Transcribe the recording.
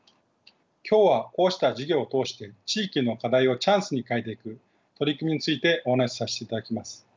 今日はこうした事業を通して地域の課題をチャンスに変えていく取り組みについてお話しさせていただきます。